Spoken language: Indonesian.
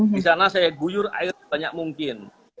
di sana saya guyur air sebanyak mungkin